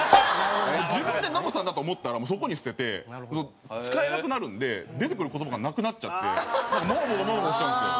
自分でノブさんだと思ったらそこに捨てて使えなくなるんで出てくる言葉がなくなっちゃってなんかモゴモゴモゴモゴしちゃうんですよ。